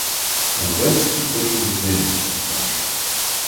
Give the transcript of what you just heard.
"Pan Łęcki poczuł rumieniec na twarzy."